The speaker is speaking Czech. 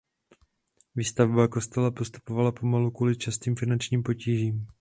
Výstavba kostela postupovala pomalu kvůli častým finančním potížím.